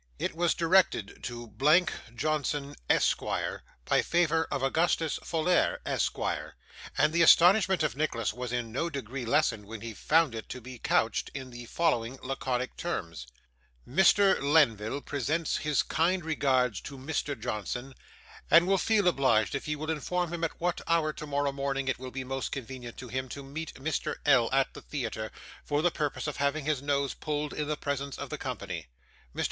It was directed to blank Johnson, Esq., by favour of Augustus Folair, Esq.; and the astonishment of Nicholas was in no degree lessened, when he found it to be couched in the following laconic terms: "Mr. Lenville presents his kind regards to Mr. Johnson, and will feel obliged if he will inform him at what hour tomorrow morning it will be most convenient to him to meet Mr. L. at the Theatre, for the purpose of having his nose pulled in the presence of the company. "Mr.